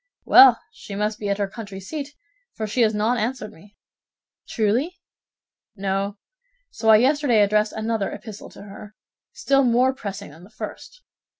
"Well, she must be at her country seat, for she has not answered me." "Truly?" "No; so I yesterday addressed another epistle to her, still more pressing than the first.